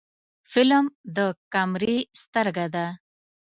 فلم د کیمرې سترګه ده